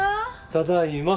ただいま。